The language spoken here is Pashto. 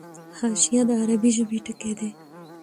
حاشیه د عربي ژبي ټکی دﺉ.